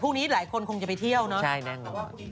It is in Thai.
พี่ที่ก่อนจะไปเที่ยวไหนกันบ้าง